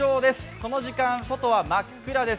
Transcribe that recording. この時間、外は真っ暗です。